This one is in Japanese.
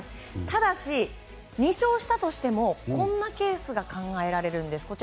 ただし、２勝したとしてもこんなケースが考えられるんです。